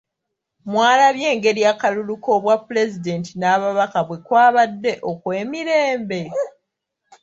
Mwalabye engeri akalulu k'obwapulezidenti n'ababaka bwekwabadde okw'emirembe!